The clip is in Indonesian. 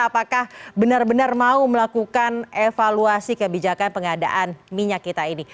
apakah benar benar mau melakukan evaluasi kebijakan pengadaan minyak kita ini